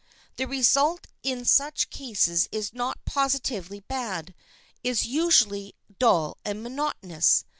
The result in such cases if not positively bad is usually dull and monotonous.